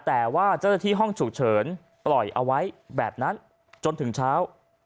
แต่ว่าเจ้าหน้าที่ห้องฉุกเฉินปล่อยเอาไว้แบบนั้นจนถึงเช้า